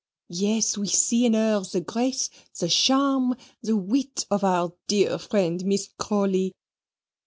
Yes, we see in her the grace, the charm, the wit of our dear friend Miss Crawley!